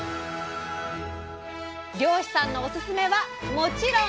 漁師さんのおすすめはもちろん刺身！